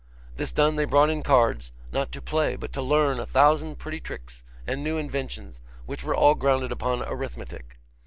This done, they brought in cards, not to play, but to learn a thousand pretty tricks and new inventions, which were all grounded upon arithmetic.